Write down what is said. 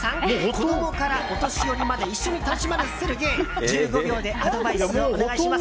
子供からお年寄りまで一緒に楽しませる芸１５秒でアドバイスをお願いします。